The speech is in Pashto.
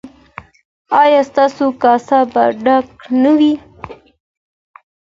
ایا ستاسو کاسه به ډکه نه وي؟